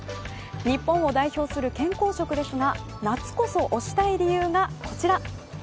日本を代表する健康食ですが夏こそ推したい理由が、こちら。